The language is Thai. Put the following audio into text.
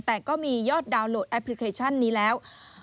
แต่ก็มียอดดาวน์โหลดแอปพลิเคชันนี้แล้ว